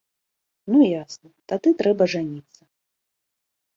Ну, ясна, тады трэба жаніцца.